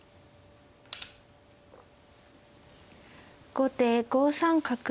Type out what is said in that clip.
後手５三角。